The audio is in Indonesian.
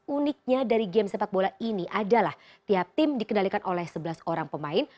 uniknya dari game sepak bola ini adalah tiap tim dikendalikan oleh sebelas orang pemain